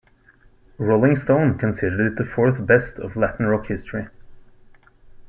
"Rolling Stone" considered it the fourth-best of Latin rock history.